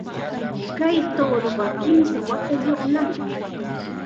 Kay tuuruqa kimsa watayuqnam